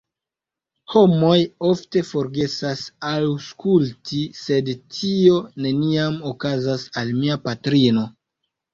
Homoj ofte forgesas aŭskulti sed tio neniam okazas al mia patrino.